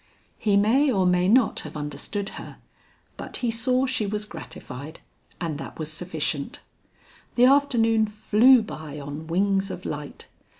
He may or may not have understood her, but he saw she was gratified, and that was sufficient. The afternoon flew by on wings of light.